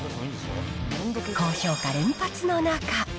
高評価連発の中。